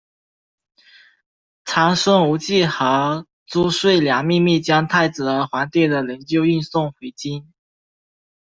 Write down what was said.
长孙无忌和褚遂良秘密将太子和皇帝的灵柩运送回京。